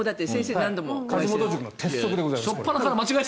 梶本塾の鉄則であります。